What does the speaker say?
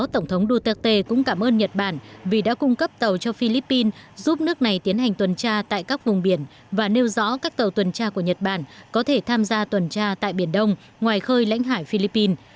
tổng thống duterte cũng cảm ơn nhật bản vì đã cung cấp tàu cho philippines giúp nước này tiến hành tuần tra tại các vùng biển và nêu rõ các tàu tuần tra của nhật bản có thể tham gia tuần tra tại biển đông ngoài khơi lãnh hải philippines